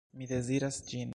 Mi deziras ĝin.